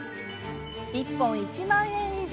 １本１万円以上。